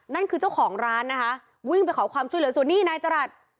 นั่นคือเจ้าของร้านนะคะวิ่งไปขอความช่วยเหลือส่วนนี้นายจรัส